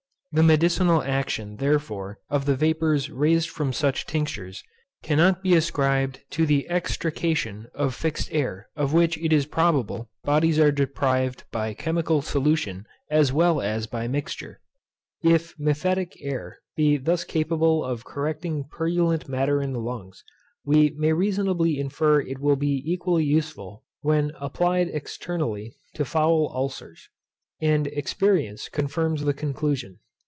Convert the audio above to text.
The medicinal action therefore of the vapours raised from such tinctures, cannot be ascribed to the extrication of fixed air; of which it is probable bodies are deprived by chemical solution as well as by mixture. If mephitic air be thus capable of correcting purulent matter in the lungs, we may reasonably infer it will be equally useful when applied externally to foul ULCERS. And experience confirms the conclusion.